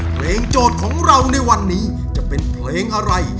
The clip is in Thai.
โจทย์ของเราในวันนี้จะเป็นเพลงอะไร